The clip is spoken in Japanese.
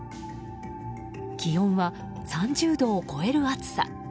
気温は３０度を超える暑さ。